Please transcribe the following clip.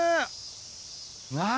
何？